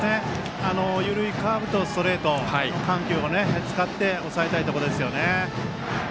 緩いカーブとストレート緩急を使って抑えたいところですね。